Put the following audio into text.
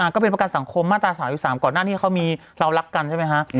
ก็เป็นประกันสังคมมาตรา๓๓ก่อนหน้านี้เขามีเรารักกันใช่ไหมฮะ